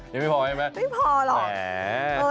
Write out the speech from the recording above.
ยังไม่พอไหมคะแม่ไม่พอหรอก